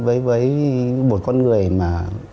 một con người mà